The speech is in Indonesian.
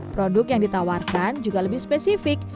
produk yang ditawarkan juga lebih spesifik